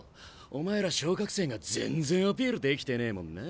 お前ら昇格生が全然アピールできてねえもんな。